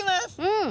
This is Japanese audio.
うん。